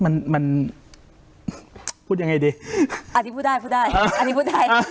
มันมันพูดยังไงดีอาทิพูดได้พูดได้อาทิพูดได้